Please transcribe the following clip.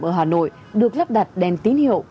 ở hà nội được lắp đặt đèn tín hiệu